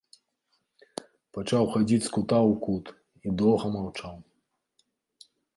Пачаў хадзіць з кута ў кут і доўга маўчаў.